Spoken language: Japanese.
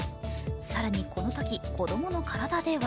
更にこのとき、子供の体では